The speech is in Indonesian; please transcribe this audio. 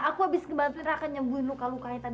aku abis ngebantuin aku nyebulin luka lukanya tadi